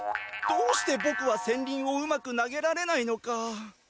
どうしてボクは戦輪をうまく投げられないのか。